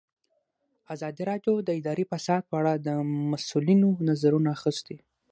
ازادي راډیو د اداري فساد په اړه د مسؤلینو نظرونه اخیستي.